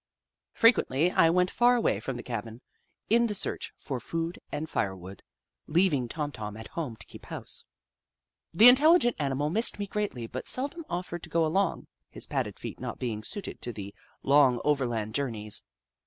Frequently I went far away from the cabin, Little Upsidaisi 9 in the search for food and firewood, leaving Tom Tom at home to keep house. The in telligent animal missed me greatly, but seldom offered to go along, his padded feet not being suited to the long overland journeys.